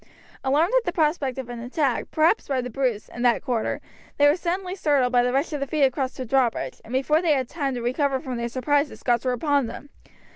Alarmed at the prospect of an attack, perhaps by the Bruce, in that quarter, they were suddenly startled by the rush of feet across the drawbridge, and before they had time to recover from their surprise the Scots were upon them.